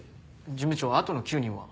事務長あとの９人は？